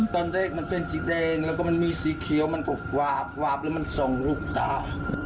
ตอนแรกมันเป็นสีแดงแล้วก็มันมีสีเขียวมันหวาบวาบแล้วมันส่งลูกตา